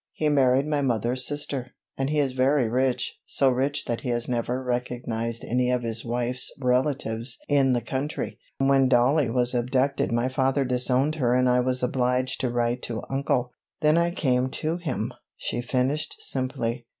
He married my mother's sister, and he is very rich, so rich that he has never recognized any of his wife's relatives in the country. When Dollie was abducted my father disowned her and I was obliged to write to uncle, then I came to him," she finished simply.